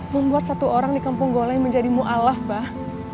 membuat satu orang di kampung gola yang menjadi mu'alaf bah